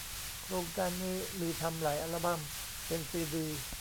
โครงการนี้มีทำหลายอัลบั้ม เป็นซีดี